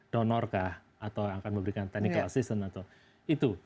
donorkah atau akan memberikan technical assistance atau itu